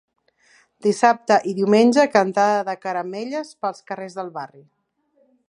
Dissabte i diumenge, cantada de caramelles pels carrers del barri.